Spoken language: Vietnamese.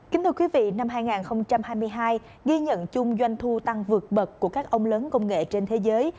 kính thưa quý vị năm hai nghìn hai mươi hai ghi nhận chung doanh thu tăng vượt bậc của các ông lớn công nghệ trên thế giới